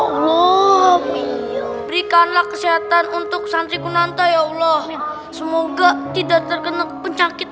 allah berikanlah kesehatan untuk santri kunanta ya allah semoga tidak terkena penyakit